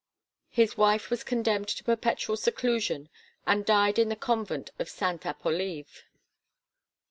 His wife was condemned to perpetual seclusion and died in the Convent of Sainte Appolive.